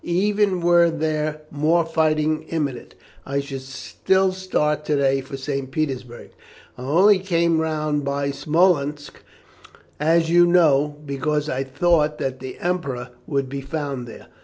Even were there more fighting imminent, I should still start to day for St. Petersburg; I only came round by Smolensk, as you know, because I thought that the Emperor would be found there.